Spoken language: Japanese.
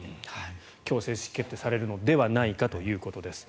今日正式決定されるのではないかということですね。